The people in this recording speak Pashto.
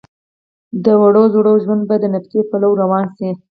د وړو زړو ژوند به د نطفې پلو روان شي.